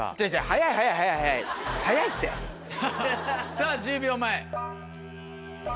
さぁ１０秒前。